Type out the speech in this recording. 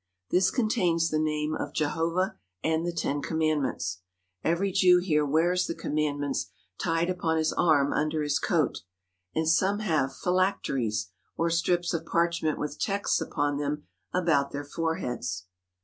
This contains the name of Jehovah and the Ten Commandments. Every Jew here wears the Commandments tied upon his arm under his coat, and some have phylacteries, or strips of parchment with texts upon them, about their foreheads.